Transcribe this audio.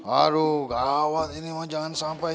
aduh gawat ini jangan sampai